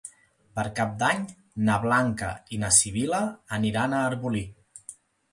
Per Cap d'Any na Blanca i na Sibil·la aniran a Arbolí.